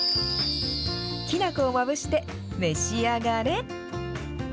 きな粉をまぶして召し上がれ。